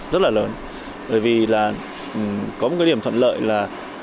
rất là lớn bởi vì là có một cái điểm thuận lợi là